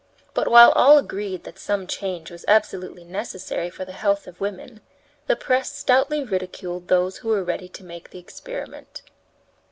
But, while all agreed that some change was absolutely necessary for the health of women, the press stoutly ridiculed those who were ready to make the experiment.